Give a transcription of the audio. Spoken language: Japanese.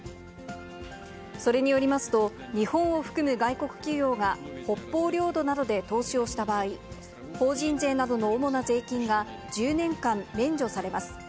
それによりますと、日本を含む外国企業が、北方領土などで投資をした場合、法人税などの主な税金が１０年間免除されます。